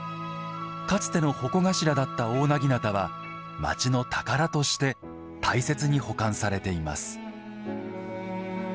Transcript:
かつての鉾頭だった大長刀は町の宝として大切に保管されています。